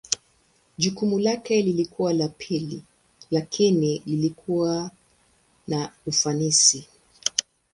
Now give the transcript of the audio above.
Jukumu lake lilikuwa la pili lakini lilikuwa na ufanisi.